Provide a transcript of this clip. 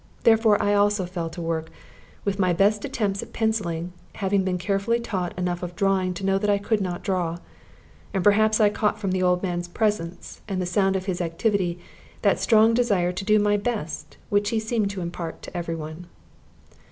Therefore I also fell to work, with my best attempts at penciling, having been carefully taught enough of drawing to know that I could not draw. And perhaps I caught from the old man's presence and the sound of his activity that strong desire to do my best which he seemed to impart to every one.